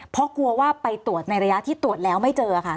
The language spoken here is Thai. เพราะกลัวว่าไปตรวจในระยะที่ตรวจแล้วไม่เจอค่ะ